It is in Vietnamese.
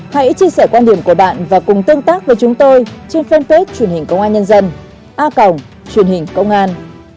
hãy chia sẻ quan điểm của bạn và cùng tương tác với chúng tôi trên fanpage truyền hình công an nhân dân a cổng truyền hình công an